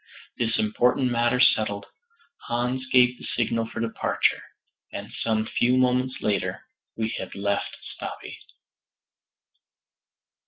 This important matter settled, Hans gave the signal for departure, and some few moments later we had left Stapi.